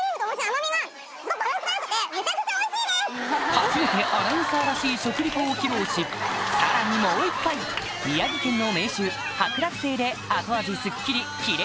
初めてアナウンサーらしい食リポを披露しさらにもう１杯宮城県の銘酒「伯楽星」で後味スッキリ切れ